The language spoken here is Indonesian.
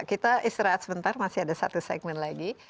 kita istirahat sebentar masih ada satu segmen lagi